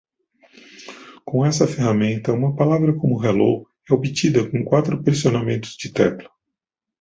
Com essa ferramenta, uma palavra como hello é obtida com quatro pressionamentos de tecla.